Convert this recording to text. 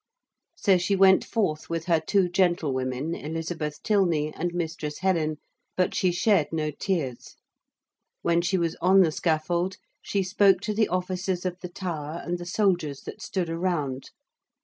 So she went forth with her two gentlewomen, Elizabeth Tylney and Mistress Helen, but she shed no tears. When she was on the scaffold she spoke to the officers of the Tower and the soldiers that stood around.